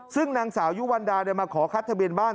ซึ่งนางสาวยุวันดามาขอคัดทะเบียนบ้าน